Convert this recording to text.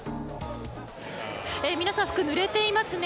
皆さん服、ぬれていますね。